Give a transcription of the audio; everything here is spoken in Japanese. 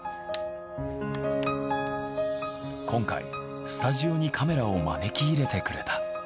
今回スタジオにカメラを招き入れてくれた。